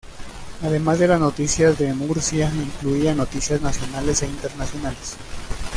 Además de las noticias de Murcia, incluía noticias nacionales e internacionales.